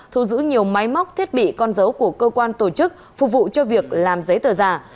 thu giữ nhiều máy móc thiết bị con dấu của cơ quan tổ chức phục vụ cho việc làm giấy tờ giả